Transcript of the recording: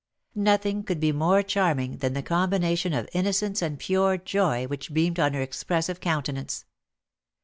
Nothing could be more charming than the combination of innocence and pure joy which beamed on her expressive countenance.